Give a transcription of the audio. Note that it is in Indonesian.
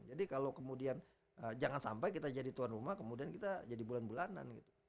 jadi kalau kemudian jangan sampai kita jadi tuan rumah kemudian kita jadi bulanan bulanan gitu